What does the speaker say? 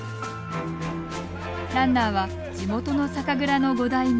ランナーは地元の酒蔵の５代目